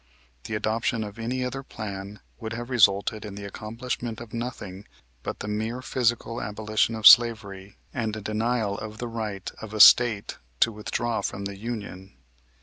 The adoption of any other plan would have resulted in the accomplishment of nothing but the mere physical abolition of slavery and a denial of the right of a State to withdraw from the Union.